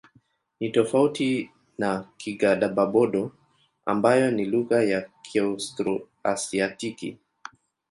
Ni tofauti na Kigadaba-Bodo ambayo ni lugha ya Kiaustro-Asiatiki.